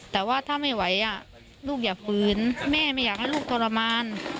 แต่ว่าถ้าไม่ไหวลูกอย่าฝืนแม่ไม่อยากให้ลูกทรมาน